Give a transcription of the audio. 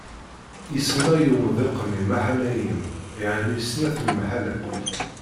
Isemma i umḍiq-nni Maḥanayim, yeɛni snat n lemḥallat.